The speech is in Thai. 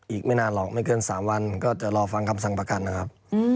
อีกไม่นานหรอกไม่เกิน๓วันก็จะรอฟังคำสั่งประกันนะครับ